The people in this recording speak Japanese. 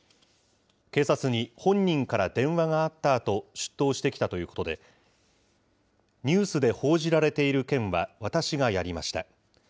警察に本人から電話があったあと、出頭してきたということで、ニュースで報じられている件は私がやりました。